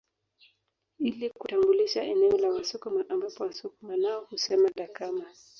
Ili kutambulisha eneo la Wasukuma ambapo Wasukuma nao husema Dakama